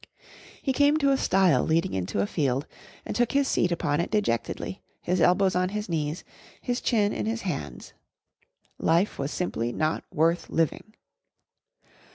He came to a stile leading into a field and took his seat upon it dejectedly, his elbows on his knees, his chin in his hands. Life was simply not worth living.